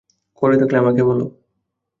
করে থাকলে আমাকে বলো।